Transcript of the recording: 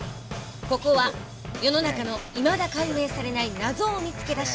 ここは世の中のいまだ解明されない謎を見つけ出し